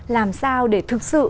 làm sao để thực sự